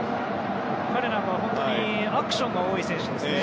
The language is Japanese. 彼はアクションが多い選手ですね。